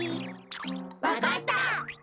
わかった！